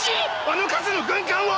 あの数の軍艦を！？